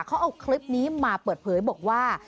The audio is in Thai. เขาเอาคลิปนี้มาเปิดเผยบอกว่า